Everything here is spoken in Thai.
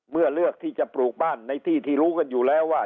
เลือกที่จะปลูกบ้านในที่ที่รู้กันอยู่แล้วว่า